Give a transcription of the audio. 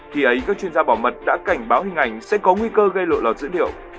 khi ấy các chuyên gia bỏ mật đã cảnh báo hình ảnh sẽ có nguy cơ gây lộ lọt dữ liệu